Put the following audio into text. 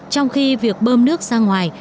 trong khi việc bơm nước ra ngoài